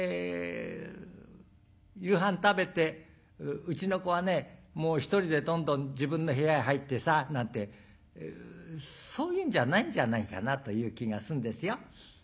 「夕飯食べてうちの子はねもう１人でどんどん自分の部屋へ入ってさ」なんてそういうんじゃないんじゃないかなという気がするんですよ。